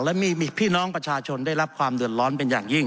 และมีพี่น้องประชาชนได้รับความเดือดร้อนเป็นอย่างยิ่ง